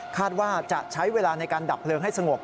คาดว่าจะใช้เวลาในการดับเพลิงให้สงบ